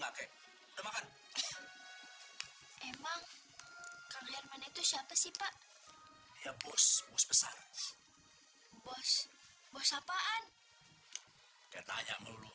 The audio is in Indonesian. emang kang herman itu siapa sih pak ya bos besar bos bos apaan